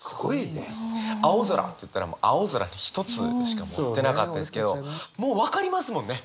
「青空」と言ったら青空一つしか持ってなかったですけどもう分かりますもんね！